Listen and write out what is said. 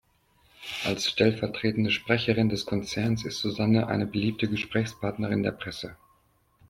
Als stellvertretende Sprecherin des Konzerns ist Susanne eine beliebte Gesprächspartnerin der Presse.